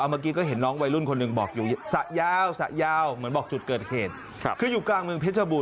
เมื่อกี้ก็เห็นน้องวัยรุ่นคนหนึ่งบอกอยู่